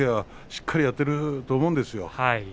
しっかりやっていると思うんですよ。